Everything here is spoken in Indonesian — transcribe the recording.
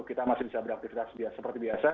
kita masih bisa beraktivitas seperti biasa